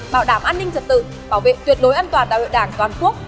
bảo đảm an ninh trật tự bảo vệ tuyệt đối an toàn đại hội đảng toàn quốc